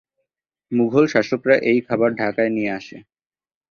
মুঘল শাসকরা এই খাবার ঢাকায় নিয়ে আসে।